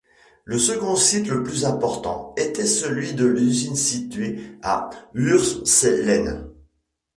Le second site le plus important était celui de l'usine située à Würselen.